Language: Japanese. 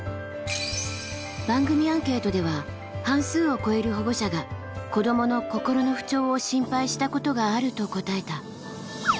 番組アンケートでは半数を超える保護者が子どもの心の不調を心配したことがあると答えた。